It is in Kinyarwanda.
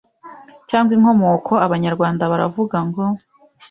cya n g wa in ko m o ko Abanyarwanda baravuga ngo